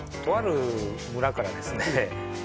とある村からですね